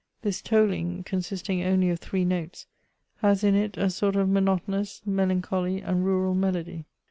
This tolling, consisting only of three notes, has in it a sort of monotonous, melancholy, and rural melody.